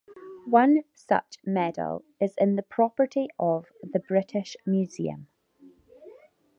One such medal is in the property of the British Museum.